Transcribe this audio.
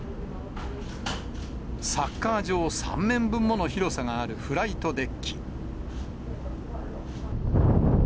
サッカー場３面分もの広さがあるフライトデッキ。